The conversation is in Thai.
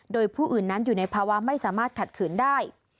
โดยผู้อื่นนั้นอยู่ในภาวะไม่สามารถขัดขืนได้